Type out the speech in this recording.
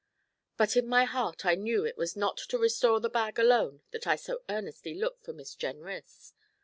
But in my heart I knew it was not to restore the bag alone that I so earnestly looked for Miss Jenrys.